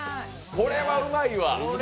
これはうまいわ。